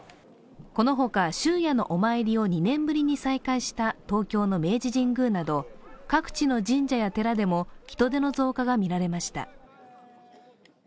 この他、終夜のお参りを２年ぶりに再開した東京の明治神宮など各地の神社や寺でも人出の増加が見られました。